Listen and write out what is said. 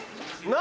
何？